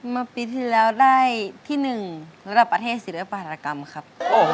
เมื่อปีที่แล้วได้ที่๑ระดับประเทศศิลปารกรรมครับ